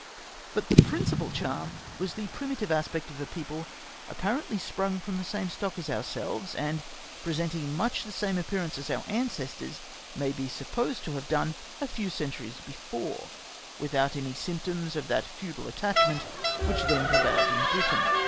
But the principal charm was the primitive aspect of a people apparently sprung from the same stock as our selves, and presenting much the same appearance as our ancestors may be supposed to have done a few cen turies before, without any spnptoms of that feudal attachment wdiich then prevailed in Britain.